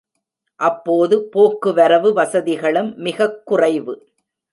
அப்போது போக்குவரவு வசதிகளும் மிகக் குறைவு.